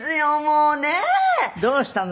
どうしたの？